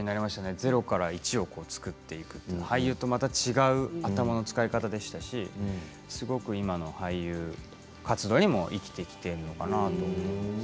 ０から１を作っていく俳優とまた違う頭の使い方でしたしすごく今の俳優活動にも生きてきているのかなと思います。